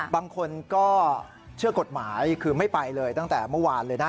บางคนก็เชื่อกฎหมายคือไม่ไปเลยตั้งแต่เมื่อวานเลยนะ